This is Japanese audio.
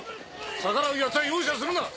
逆らうヤツは容赦するな！